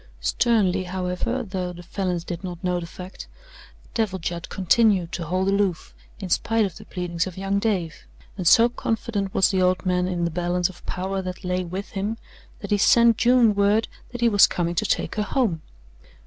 Sternly, however, though the Falins did not know the fact, Devil Judd continued to hold aloof in spite of the pleadings of young Dave, and so confident was the old man in the balance of power that lay with him that he sent June word that he was coming to take her home.